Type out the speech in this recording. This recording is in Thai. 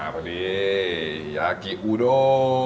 มาเผอดี้ยากิอูโดง